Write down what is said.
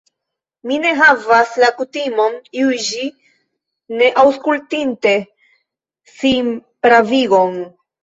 Mi ne havas la kutimon juĝi, ne aŭskultinte sinpravigon.